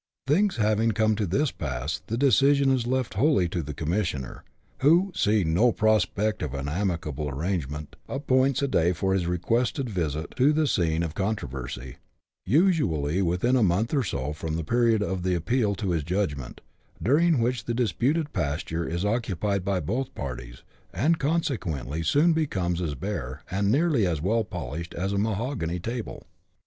Things having come to this pass, the decision is left wholly to the commissioner, who, seeing no prospect of an amicable arrangement, appoints a day for his requested visit to the scene of controversy, usually within a month or so from the period of the appeal to his judgment ; during which the disputed pasture is occupied by both parties, and consequently soon becomes as bare, and nearly as well polished, as a mahogany table.